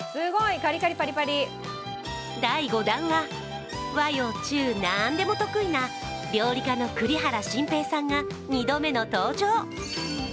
第５弾は、和洋中何でも得意な料理家の栗原心平さんが２度目の登場。